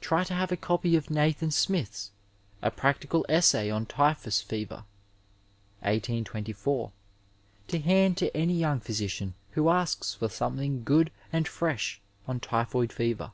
Try to have a copy of Nathan Smith's A PracUoal Essay on Ttffhom Feeer (1824) to hand to any young physician who asks for something good and fresh on typhoid fever.